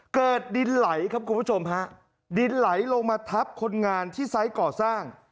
เกิดดินไหลครับคุณผู้ชมฮะดินไหลลงมาทับคนงานที่ไซส์ก่อสร้าง